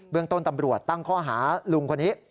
เรื่องต้นตำรวจตั้งข้อหาลุงคนนี้